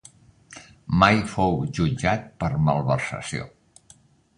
Mai fou jutjat per malversació.